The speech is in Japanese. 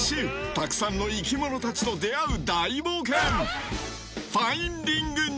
たくさんの生き物たちと出会う大冒険。